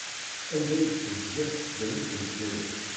Anda i d-tezga tesdawit n Bgayet?